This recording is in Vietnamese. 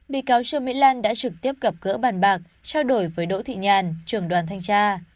bị cáo trương mỹ lan đã trực tiếp gặp gỡ bàn bạc trao đổi với đỗ thị nhàn trưởng đoàn thanh tra